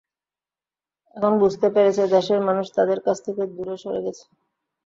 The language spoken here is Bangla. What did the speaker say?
এখন বুঝতে পেরেছে দেশের মানুষ তাদের কাছ থেকে দূরে সরে গেছে।